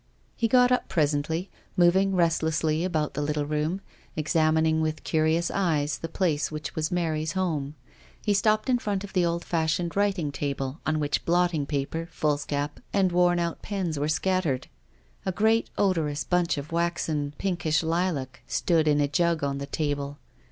He got up presently, moving restlessly about the little room, examining with curious eyes the place which was Mary's home. He stopped in front of the old fashioned writing table, on which blotting paper, foolscap, and worn out pens were scattered. A great odor ous bunch of waxen pinkish lilac stood in a jug on the table.